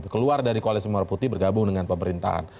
keluar dari koalisi merah putih bergabung dengan pemerintahan